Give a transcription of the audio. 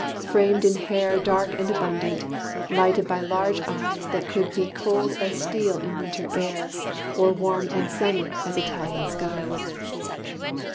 Framed in hair Dark and abundant; lighted by large eyes That could be cold as steel in winter air, Or warm and sunny as Italian skies.